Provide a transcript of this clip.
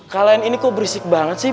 kalian ini kok berisik banget sih